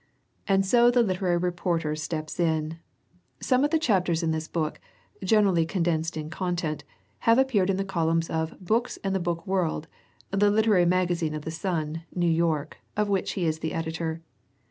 And so the literary reporter steps in. Some of the chapters in this book, generally condensed in content, have appeared in the columns of Books and the Book World, the literary magazine of The Sun, New York, of which he is the editor.